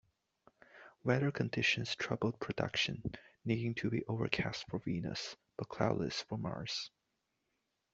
Weather conditions troubled production, needing to be overcast for Venus, but cloudless for Mars.